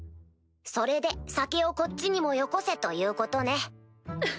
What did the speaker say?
それで酒をこっちにもよこせということね。